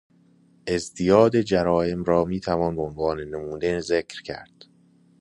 ازدیاد جرایم را میتوان به عنوان نمونه ذکر کرد.